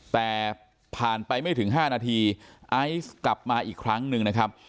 แต่ผ่านไปไม่ถึง๕นาทีไอซ์กลับมาอีกครั้งหนึ่งนะครับ